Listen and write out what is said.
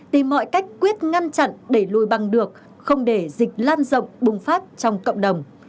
tìm mọi cách quyết ngăn chặn đẩy lùi bằng được không để dịch lan rộng bùng phát trong cộng đồng